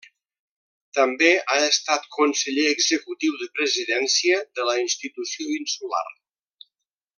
També ha estat conseller executiu de Presidència de la institució insular.